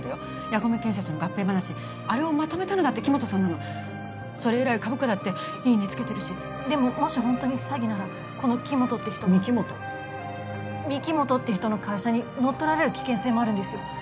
矢込建設の合併話あれをまとめたのだって木元さんなのそれ以来株価だっていい値つけてるしでももしホントに詐欺ならこの木元って人の御木本御木本って人の会社に乗っ取られる危険性もあるんですよ